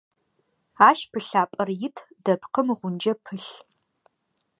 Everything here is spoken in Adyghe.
Ащ пылъапӏэр ит, дэпкъым гъунджэ пылъ.